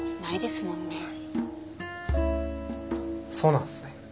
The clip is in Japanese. そうなんすね。